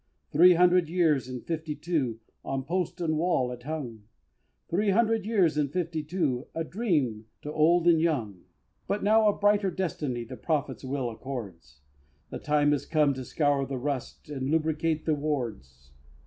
Three hundred years and fifty two On post and wall it hung Three hundred years and fifty two A dream to old and young; But now a brighter destiny The Prophet's will accords: The time is come to scour the rust, And lubricate the wards.